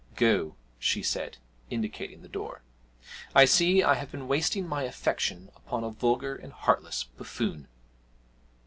'Go,' she said, indicating the door, 'I see I have been wasting my affection upon a vulgar and heartless buffoon!'